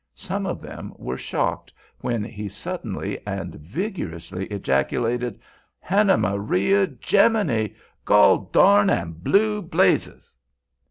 Some of them were shocked when he suddenly and vigorously ejaculated: "Hannah Maria Jemimy! goldarn an' blue blazes!"